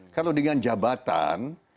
kalau dengan jabatan